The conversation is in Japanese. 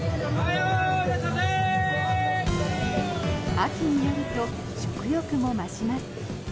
秋になると食欲も増します。